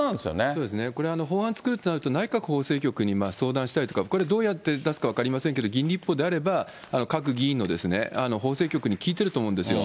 そうですね、これ、法案作るとなると、内閣法制局に相談したりとか、これどうやって出すか分かりませんけど、議員立法であれば、各議員も法制局に聞いてると思うんですよ。